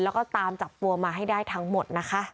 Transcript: แล้วก็ตามจับตัวมาให้ได้ทั้งหมดนะคะ